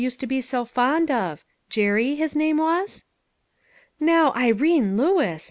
used to be so fond of Jerry, his name was? "" Now, Irene Lewis